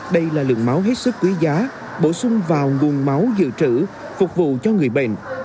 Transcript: đây là lượng máu hết sức quý giá bổ sung vào nguồn máu dự trữ phục vụ cho người bệnh